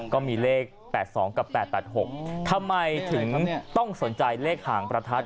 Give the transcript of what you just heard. ก็มีเลขแปดสองกับแปดแปดหกทำไมถึงต้องสนใจเลขหางประทัด